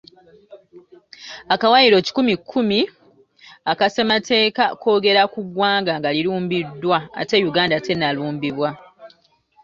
Akawaayiro kikumi kumi aka ssemateeka kwogera ku ggwanga nga lirumbiddwa ate Uganda tennalumbibwa.